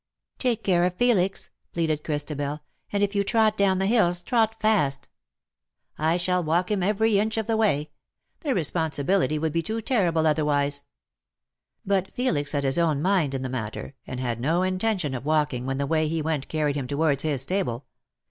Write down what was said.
" Take care of Felix/^ pleaded Christabel ;" and if you trot down the hills trot fast.^' " I shall walk him every inch of the way. The responsibility would be too terrible otherwise." But Felix had his own mind in the matter, and had no intention of walking when the way he went carried him towards his stable.